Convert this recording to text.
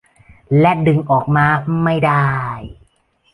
และดึงออกมาไม่ได้